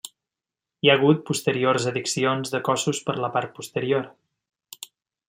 Hi ha hagut posteriors addicions de cossos per la part posterior.